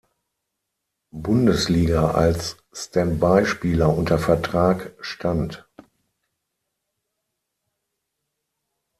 Bundesliga als Standby-Spieler unter Vertrag stand.